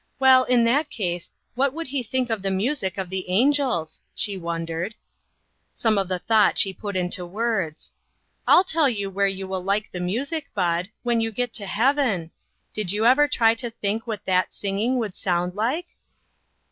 Well, in that case, what would he think of the music of the angels ? she wondered. Some of the thought she put into words: " I'll tell you where you will like the music, Bud when you get to heaven. Did you ever try to think what that singing would sound like